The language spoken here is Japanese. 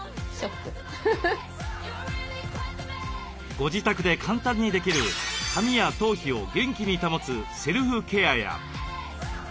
ご自宅で簡単にできる髪や頭皮を元気に保つセルフケアや。